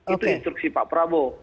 itu instruksi pak prabowo